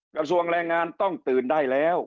กระทรวงแรงงานต้องตื่นได้แล้ว